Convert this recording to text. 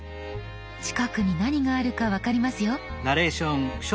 近くに何があるか分かりますよ。